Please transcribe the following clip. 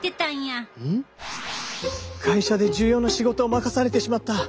会社で重要な仕事を任されてしまった。